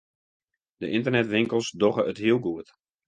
De ynternetwinkels dogge it heel goed.